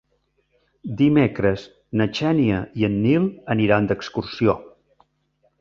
Dimecres na Xènia i en Nil aniran d'excursió.